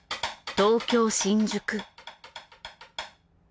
東京新宿。